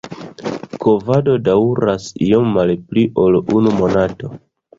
Kovado daŭras iom malpli ol unu monato.